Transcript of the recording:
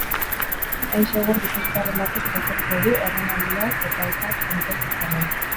Hain segur gipuzkoarren batek irakurriko du erranaldi hau eta ez da kontent izanen.